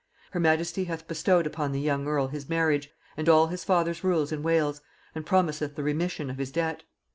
Her majesty hath bestowed upon the young earl his marriage, and all his father's rules in Wales, and promiseth the remission of his debt.